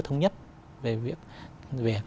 thống nhất về việc